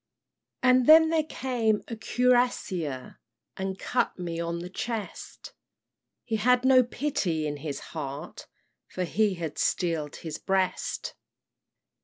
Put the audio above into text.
"And then there came a cuirassier And cut me on the chest; He had no pity in his heart, For he had steel'd his breast.